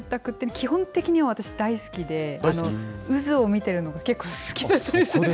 基本的には私大好きで、渦を見てるのが結構好きだったりする。